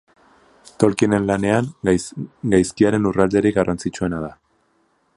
Tolkienen lanean, gaizkiaren lurralderik garrantzitsuena da.